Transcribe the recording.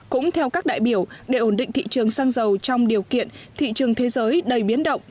cũng theo các đại biểu để ổn định thị trường xăng dầu trong điều kiện thị trường thế giới đầy biến động